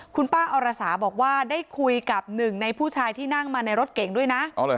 คุณป้าอรสาบอกว่าได้คุยกับหนึ่งในผู้ชายที่นั่งมาในรถเก่งด้วยนะ